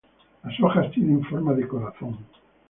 Las hojas tienen forma de corazón.